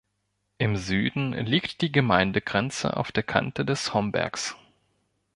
Im Süden liegt die Gemeindegrenze auf der Kante des Hombergs.